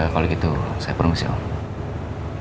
kalau gitu saya permisi om